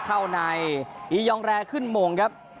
เข้าในอียองแรร์ขึ้นโมงครับ